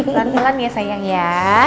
pelan pelan ya sayang ya